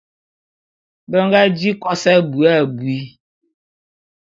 Be nga di kos abui abui.